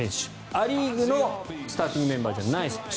ア・リーグのスターティングメンバーじゃない選手。